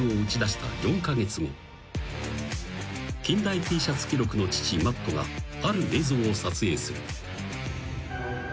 ［近代Ｔシャツ記録の父マットがある映像を撮影する］